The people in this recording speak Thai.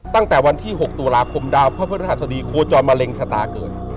ตั้งแต่วันที่๖ตุลาคมดาวพระพฤหัสดีโคจรมะเร็งชะตาเกิด